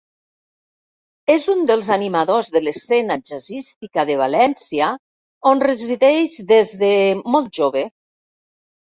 És un dels animadors de l'escena jazzística de València, on resideix des de molt jove.